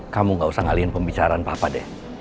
kamu gak usah ngalihin pembicaraan papa deh